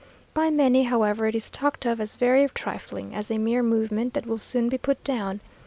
By many, however, it is talked of as very trifling, as a mere movement that will soon be put down.